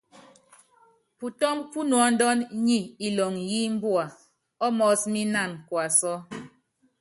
Putɔ́mb pú nuɔ́ndɔn nyɛ ilɔŋ í imbua ɔ́ mɔɔ́s mí ínan kuasɔ́.